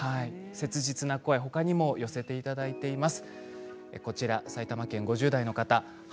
切実な声、ほかにも寄せていただいています。